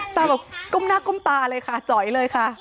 ตาบอกก้มหน้าก้มตาเลยค่ะจ๋อยเลยค่ะ